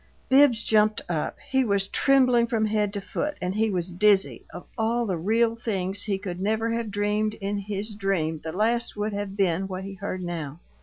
Bibbs jumped up. He was trembling from head to foot and he was dizzy of all the real things he could never have dreamed in his dream the last would have been what he heard now.